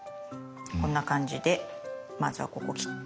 こんな感じでまずはここ切って。